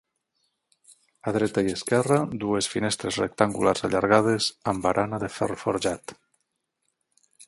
A dreta i esquerra, dues finestres rectangulars allargades, amb barana de ferro forjat.